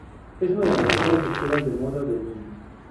Es una de las mejores escuelas de moda del mundo.